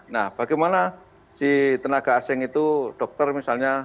nah bagaimana si tenaga asing itu dokter misalnya